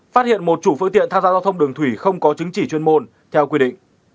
phát hiện một chủ phương tiện tham gia giao thông đường thủy không có chứng chỉ chuyên môn theo quy định